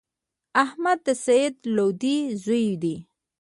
احمد د سعید لودی زوی دﺉ.